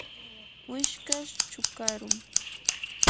wishkash chukarum.